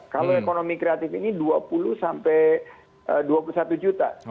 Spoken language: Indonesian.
kalau ekonomi kreatif ini dua puluh sampai dua puluh satu juta